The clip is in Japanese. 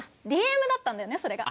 ＤＭだったんだよねそれが。